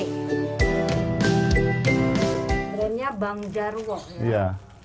labelnya bang jarwo ya